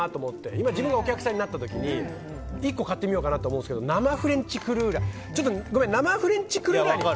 今、自分がお客さんになった時に１個買ってみようと思うんですけどちょっとごめん生フレンチクルーラー。